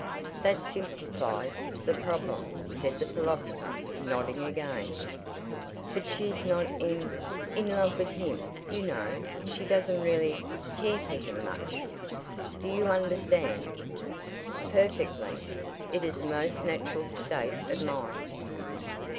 "That simplifies the problem," said the philosopher, nodding again. "But she's not in in love with him, you know. She doesn't really care for him much. Do you understand?" "Perfectly. It is a most natural state of mind."